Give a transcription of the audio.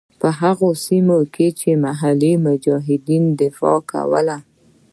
په هغو سیمو کې چې محلي مجاهدینو دفاع کوله.